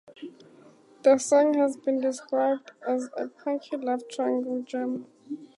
The song has been described as "a punky love triangle jam".